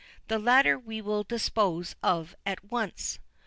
The latter we will dispose of at once.